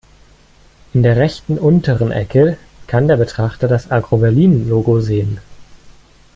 In der rechten unteren Ecke kann der Betrachter das "Aggro Berlin"-Logo sehen.